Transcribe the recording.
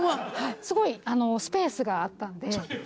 すごいスペースがあったんで。